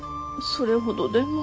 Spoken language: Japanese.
それほどでも。